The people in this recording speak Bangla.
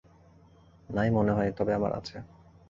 নাই মনে হয়, তবে আমার আছে।